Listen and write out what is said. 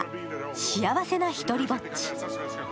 「幸せなひとりぼっち」。